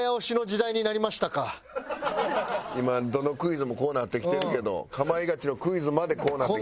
今どのクイズもこうなってきてるけど『かまいガチ』のクイズまでこうなってくるか。